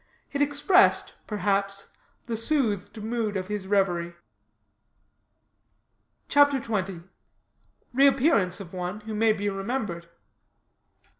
It expressed, perhaps, the soothed mood of his reverie. CHAPTER XX. REAPPEARANCE OF ONE WHO MAY BE REMEMBERED.